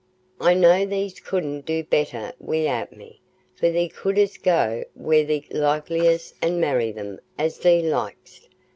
"I know thee couldst do better wi'out me, for thee couldst go where thee likedst an' marry them as thee likedst.